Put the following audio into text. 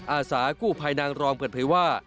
อาสากู้ภัยนางรองเปิดเผยว่า